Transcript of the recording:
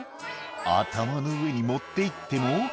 「頭の上に持っていってもぜ」